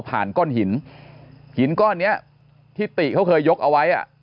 ก้อนหินหินก้อนเนี้ยที่ติเขาเคยยกเอาไว้อ่ะ